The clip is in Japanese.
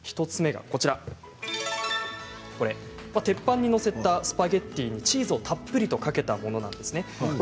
１つ目が鉄板に載せたスパゲッティにチーズをたっぷりとかけたものなんです。